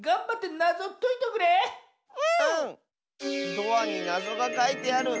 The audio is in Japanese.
ドアになぞがかいてある！